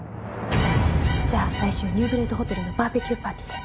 じゃあ来週ニューグレイトホテルのバーベキューパーティーで。